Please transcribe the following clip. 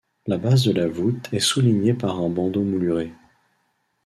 La base de la voûte est soulignée par un bandeau mouluré.